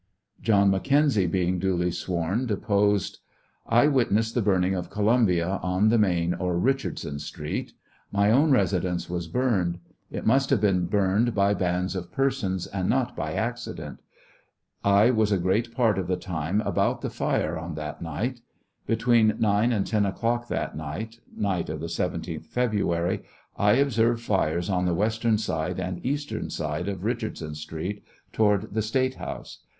John McKenzie being duly sworn, deposed : I witnessed the burning of Columbia, on the main or Richardson Street. Mj' own residence was burned. It must have been burned by bands of persons, and not by accident. I was a great part of the time about the fire on that night. Between 9 and 10 o'clock that night, (night of the 17th February,) I observed fires on the western side and eastern side of Rich hardson Street, toward the State House.